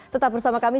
tetap bersama kami